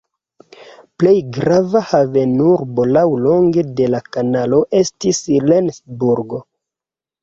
Plej grava havenurbo laŭlonge de la kanalo estas Rendsburg.